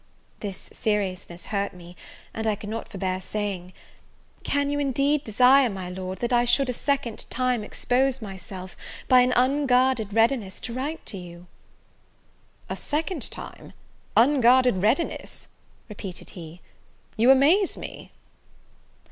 This seriousness hurt me; and I could not forbear saying, "Can you indeed desire, my Lord, that I should, a second time, expose myself, by an unguarded readiness, to write to you?" "A second time! unguarded readiness!" repeated he; "you amaze me!"